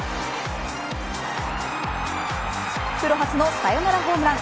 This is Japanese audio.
プロ初のサヨナラホームラン。